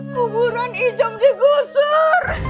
kuburan ijam digusur